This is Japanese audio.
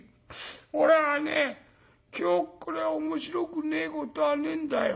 俺はね今日くれえ面白くねえことはねえんだよ。